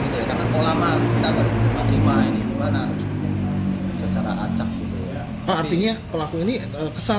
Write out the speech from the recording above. dengan ulama kita berhubungan lima ini bukan harus cara acak itu ya artinya pelaku ini kesal